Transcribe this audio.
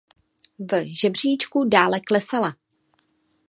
V žebříčku dále klesala.